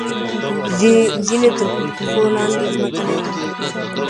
ځینې تر پښو لاندې ځمکه نه ویني.